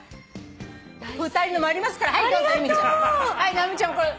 直美ちゃんもこれ。